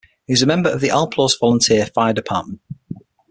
He was a member of the Alplaus Volunteer Fire Department.